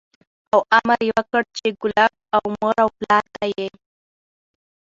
او امر یې وکړ چې کلاب او مور و پلار ته یې